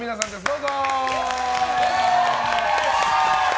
どうぞ！